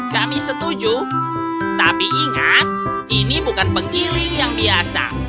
kami setuju tapi ingat ini bukan penggiling yang biasa